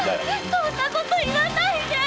そんなこと言わないで！